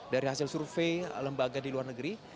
dari hasil survei lembaga di luar negeri